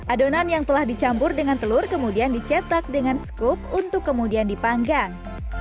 adonan yang telah dicampur dengan telur kemudian dicetak dengan skup untuk kemudian dipanggang